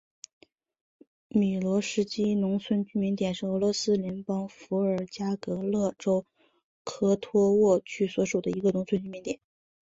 米罗什尼基农村居民点是俄罗斯联邦伏尔加格勒州科托沃区所属的一个农村居民点。